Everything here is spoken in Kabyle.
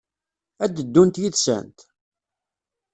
Ad d-ddunt yid-sent?